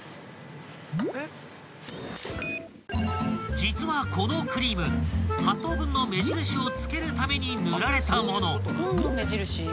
［実はこのクリーム８等分の目印をつけるために塗られたもの］